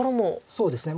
そうですね